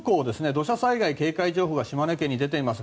土砂災害警戒情報が島根県に出ています。